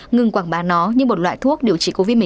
ngừng quảng bá nó như một loại thuốc điều trị covid một mươi chín